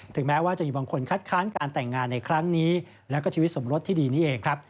ถึงแม้ว่าถึงบางคนคัดค้านการแต่งงานและชีวิตสมรสที่ดีนี่เองครับ